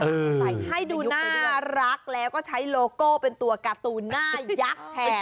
ใส่ให้ดูน่ารักแล้วก็ใช้โลโก้เป็นตัวการ์ตูนหน้ายักษ์แทน